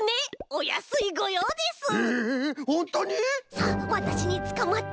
さあわたしにつかまって。